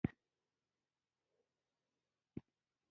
قاچاقبر په قصدي ډول په دې ځای کې ښکته کړي وو.